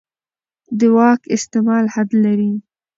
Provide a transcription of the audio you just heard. د واک استعمال حد لري